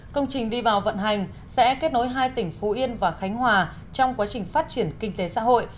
công trình đi vào vận hành sẽ kết nối hai tỉnh phú yên và khánh hòa trong quá trình phát triển kinh tế xã hội